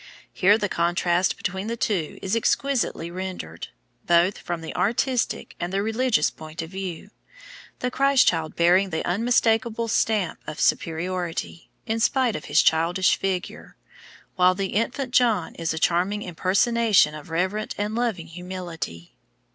Here the contrast between the two is exquisitely rendered, both from the artistic and the religious point of view, the Christ child bearing the unmistakable stamp of superiority, in spite of his childish figure, while the infant John is a charming impersonation of reverent and loving humility.